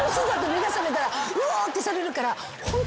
目が覚めたらうってされるから。